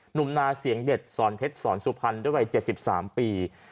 นาเสียงเด็ดสอนเพชรสอนสุพรรณด้วยวัย๗๓ปี